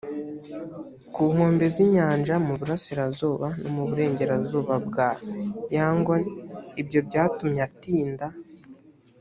ku nkombe z inyanja mu burasirazuba no mu burengerazuba bwa yangon ibyo byatumye atinda